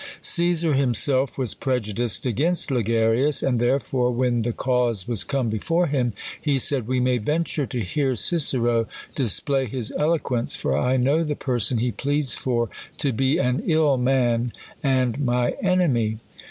Cesar himself was prejudiced agahist Ligarius ; and therefore, when the cause was come before him, he said, " We may venture to hear Cicero display his eloquence ; for I know the person, he pleads for to be an ill man, and' my enemy."